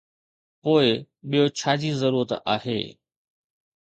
پوء ٻيو ڇا جي ضرورت آهي؟